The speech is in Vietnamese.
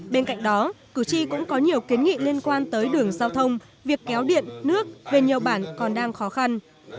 bên cạnh đó cử tri cũng có nhiều kiến nghị liên quan tới đường giao thông việc kéo điện nước về nhiều bản còn đang khó khăn